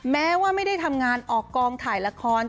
แม้ว่าไม่ได้ทำงานออกกองถ่ายละคร